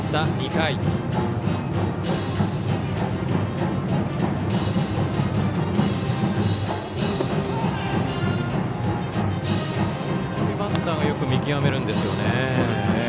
本当にバッターはよく見極めるんですよね。